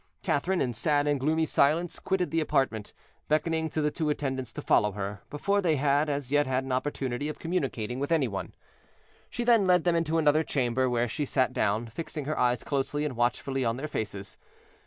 Catherine, in sad and gloomy silence, quitted the apartment, beckoning to the two attendants to follow her, before they had as yet had an opportunity of communicating with any one. She then led them into another chamber, where she sat down, fixing her eyes closely and watchfully on their faces.